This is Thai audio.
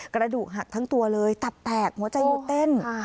กระดูกหักทั้งตัวเลยตับแตกหัวใจหยุดเต้น